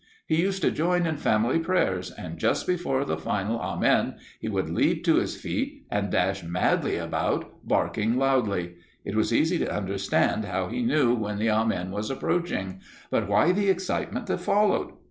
He used to join in family prayers, and just before the final 'Amen,' he would leap to his feet and dash madly about, barking loudly. It was easy to understand how he knew when the 'Amen' was approaching, but why the excitement that followed?